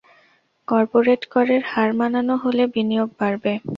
Corporate করের হার কমানো হলে বিনিয়োগ বাড়বে।